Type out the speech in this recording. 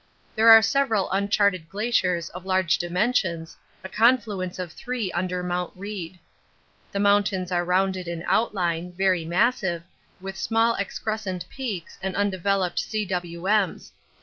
There are several uncharted glaciers of large dimensions, a confluence of three under Mount Reid. The mountains are rounded in outline, very massive, with small excrescent peaks and undeveloped 'cwms' (T.